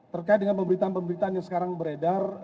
terkait dengan pemberitaan pemberitaan yang sekarang beredar